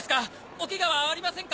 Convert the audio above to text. おケガはありませんか？